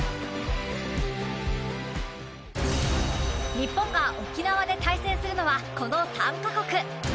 日本が沖縄で対戦するのはこの３カ国。